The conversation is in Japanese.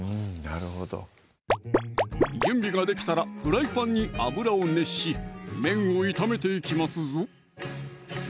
なるほど準備ができたらフライパンに油を熱し麺を炒めていきますぞ